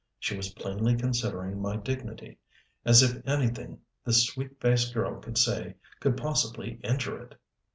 She was plainly considering my dignity as if anything this sweet faced girl could say could possibly injure it!